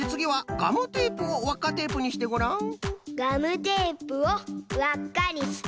ガムテープをわっかにして。